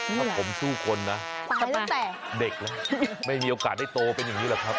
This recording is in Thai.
ถ้าผมสู้คนนะเด็กแล้วไม่มีโอกาสได้โตเป็นอย่างนี้แหละครับ